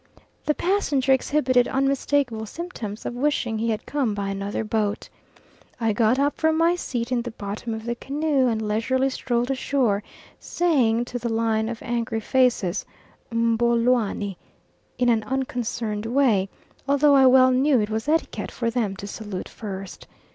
The Passenger exhibited unmistakable symptoms of wishing he had come by another boat. I got up from my seat in the bottom of the canoe and leisurely strolled ashore, saying to the line of angry faces "M'boloani" in an unconcerned way, although I well knew it was etiquette for them to salute first.